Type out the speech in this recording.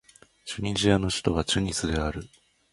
チュニジアの首都はチュニスである